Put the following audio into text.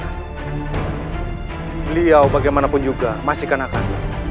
beliau bagaimanapun juga masih kenakan